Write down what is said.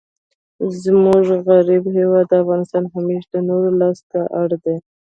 زموږ غریب هیواد افغانستان همېشه د نورو لاس ته اړ دئ.